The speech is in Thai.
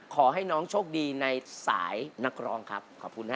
ขอให้น้องโชคดีในสายนักร้องครับขอบคุณฮะ